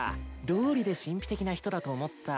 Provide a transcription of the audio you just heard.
どうりで神秘的な人だと思った。